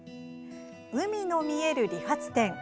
「海の見える理髪店」。